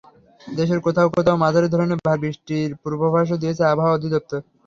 দেশের কোথাও কোথাও মাঝারি ধরনের ভারী বৃষ্টির পূর্বাভাসও দিয়েছে আবহাওয়া অধিদপ্তর।